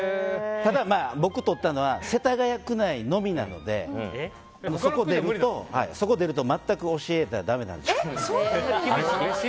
ただ、僕がとったのは世田谷区内のみなのでそこを出ると全く教えちゃだめなんです。